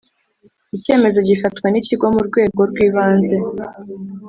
Icyemezo gifatwa n’ Ikigo mu rwego rwibanze